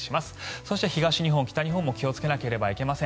そして東日本、北日本も気をつけなければいけません。